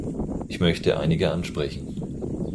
Ich möchte einige ansprechen.